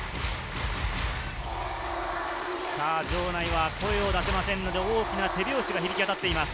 場内は声を出せませんので、大きな手拍子が響き渡っています。